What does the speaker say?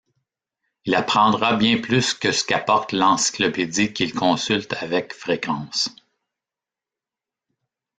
Il apprendra bien plus que ce qu'apporte l'encyclopédie qu'il consulte avec fréquence.